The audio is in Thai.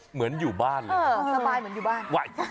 เหมือนอยู่บ้านเลยสบายเหมือนอยู่บ้าน